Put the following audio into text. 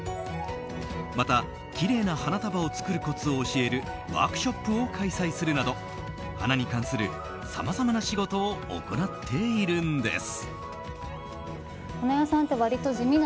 また、きれいな花束を作るコツを教えるワークショップを開催するなど花に関するさまざまな仕事を行っているんです。